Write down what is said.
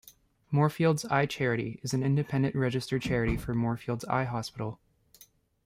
Moorfields Eye Charity is an independent registered charity for Moorfields Eye Hospital.